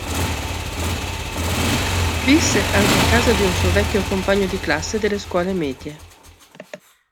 Visse anche a casa di un suo vecchio compagno di classe delle scuole medie.